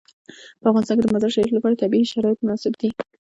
په افغانستان کې د مزارشریف لپاره طبیعي شرایط مناسب دي.